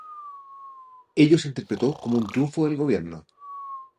Ello se interpretó como un triunfo del gobierno.